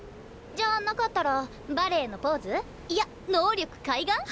じゃなかったらバレエのポーズ？いや能力開眼？